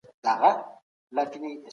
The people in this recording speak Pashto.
پښتو په ټوله نړۍ کي مشهوره کړه.